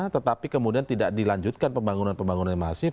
tetapi kemudian tidak dilanjutkan pembangunan pembangunan yang masif